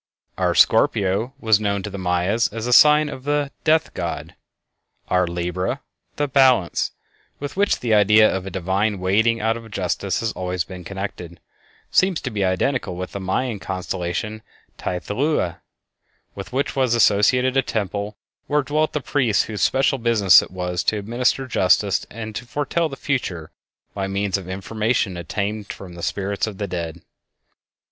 Our Scorpio was known to the Mayas as a sign of the "Death God." Our Libra, the "Balance," with which the idea of a divine weighing out of justice has always been connected, seems to be identical with the Mayan constellation Teoyaotlatohua, with which was associated a temple where dwelt the priests whose special business it was to administer justice and to foretell the future by means of information obtained from the spirits of the dead.